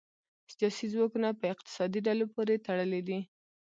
سیاسي ځواکونه په اقتصادي ډلو پورې تړلي دي